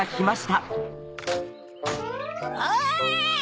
おい！